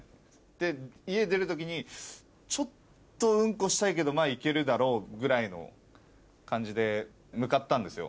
で家出る時にちょっとウンコしたいけどまぁいけるだろうぐらいの感じで向かったんですよ。